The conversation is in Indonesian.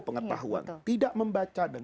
pengetahuan tidak membaca dan